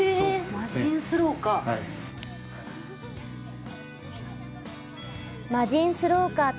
マジンスローカー？